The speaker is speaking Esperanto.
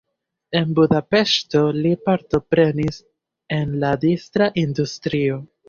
En Budapeŝto li partoprenis en la distra industrio.